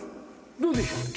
どうでしょう？